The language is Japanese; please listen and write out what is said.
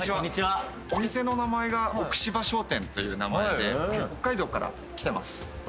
お店の名前が奥芝商店という名前で北海道から来てます。